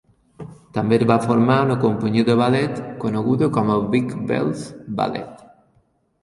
També es va formar una companyia de ballet, coneguda com a Vic-Wells ballet.